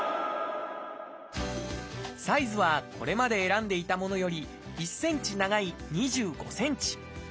サイズはこれまで選んでいたものより１センチ長い２５センチ。